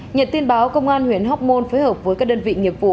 nhận tin báo công an huyện hóc môn phối hợp với các đơn vị nghiệp vụ